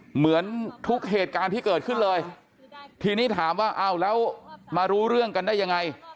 เหมือนทุกเหตุการณ์ที่เกิดขึ้นเลยทีนี้ถามว่าอ้าวแล้วมารู้เรื่องกันได้ยังไง